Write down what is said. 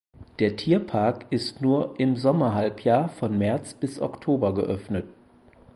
Der Tierpark ist nur im Sommerhalbjahr von März bis Oktober geöffnet.